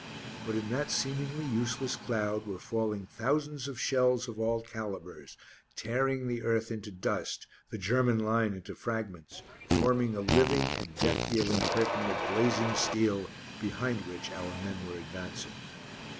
But in that seemingly useless cloud were falling thousands of shells of all calibres, tearing the earth into dust, the German line into fragments, forming a living and death dealing curtain of blazing steel behind which our men were advancing.